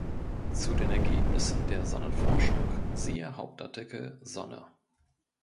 Zu den Ergebnissen der Sonnenforschung, siehe Hauptartikel Sonne.